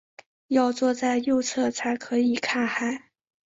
要坐在右侧才可以看海